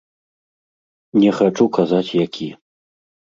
Не хачу казаць які.